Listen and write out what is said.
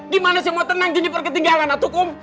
di mana saya mau tenang jeniper ketinggalan atuh kum